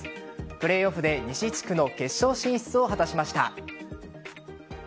プレーオフで西地区の決勝進出を果たしました。